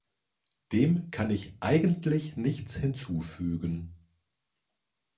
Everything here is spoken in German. Dem kann ich eigentlich nichts hinzufügen.